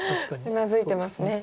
うなずいてますね。